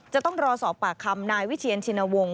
จะต้องรอสอบปากคำนายวิเชียนชินวงศ